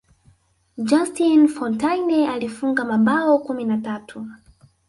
just fontaine alifunga mabao kumi na tatu